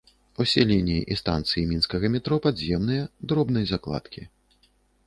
Усе лініі і станцыі мінскага метро падземныя, дробнай закладкі.